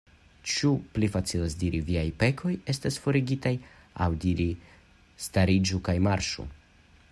Ĉu pli facilas diri: Viaj pekoj estas forigataj; aŭ diri: Stariĝu kaj marŝu?